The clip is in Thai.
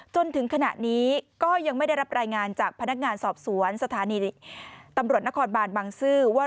จนถึงขณะนี้ก็ยังไม่ได้รับรายงานจากพนักงานสอบสวนสถานีตำรวจนครบานบังซื้อว่า